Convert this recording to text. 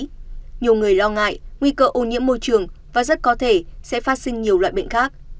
vì vậy nhiều người lo ngại nguy cơ ô nhiễm môi trường và rất có thể sẽ phát sinh nhiều loại bệnh khác